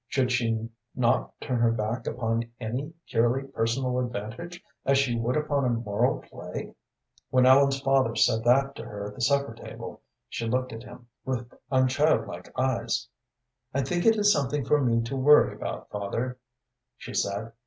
Should she not turn her back upon any purely personal advantage as she would upon a moral plague? When Ellen's father said that to her at the supper table she looked at him with unchildlike eyes. "I think it is something for me to worry about, father," she said.